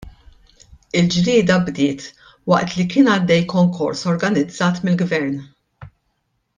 Il-ġlieda bdiet waqt li kien għaddej konkors organizzat mill-Gvern.